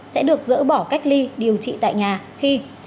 sẽ được dỡ bỏ cách ly điều trị tại nhà khi